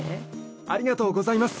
ありがとうございます。